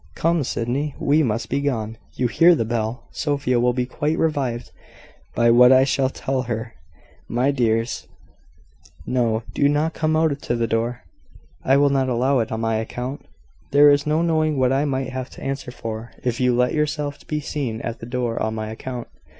"Come, Sydney, we must be gone. You hear the bell. Sophia will be quite revived by what I shall tell her, my dears. No do not come out to the door I will not allow it, on my account. There is no knowing what I might have to answer for, if you let yourself be seen at the door on my account.